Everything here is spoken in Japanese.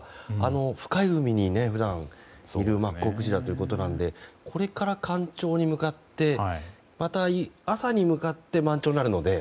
深い海に普段いるマッコウクジラということなのでこれから干潮になって朝に向かって満潮になるので。